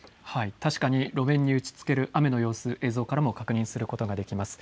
確かに路面に打ちつける雨の様子、映像からも確認することができます。